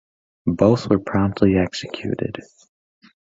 Both were promptly executed.